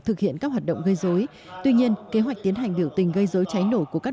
thực hiện các hoạt động gây dối tuy nhiên kế hoạch tiến hành biểu tình gây dối cháy nổ của các